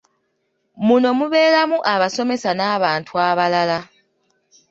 Muno mubeeramu abasomesa n'abantu abalala.